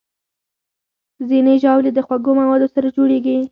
ځینې ژاولې د خوږو موادو سره جوړېږي.